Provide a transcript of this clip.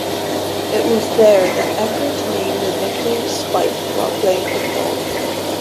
It was there that Eckert earned the nickname "Spike" while playing football.